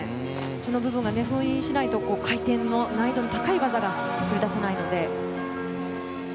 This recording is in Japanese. その部分を封印しないと回転の難易度の高い技が繰り出せないので。